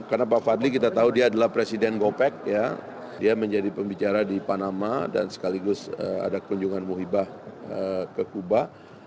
karena pak fadli kita tahu dia adalah presiden gopec dia menjadi pembicara di panama dan sekaligus ada kunjungan muhibah ke kuba